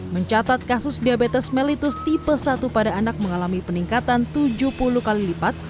mencatat kasus diabetes mellitus tipe satu pada anak mengalami peningkatan tujuh puluh kali lipat